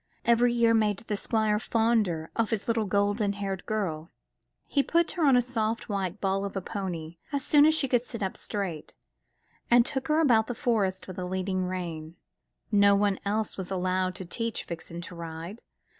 Every year made the Squire fonder of his little golden haired girl. He put her on a soft white ball of a pony as soon as she could sit up straight, and took her about the Forest with a leading rein. No one else was allowed to teach Vixen to ride.